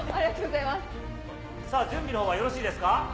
準備のほうはよろしいですか？